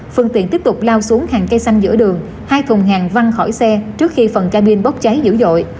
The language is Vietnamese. phương tiện tiếp tục lao xuống hàng cây xanh giữa đường hai thùng hàng văng khỏi xe trước khi phần cabin bốc cháy dữ dội